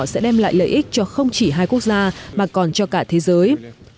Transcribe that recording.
sẽ đem lại lợi ích cho không chỉ hai quốc gia mà còn cho cả thế giới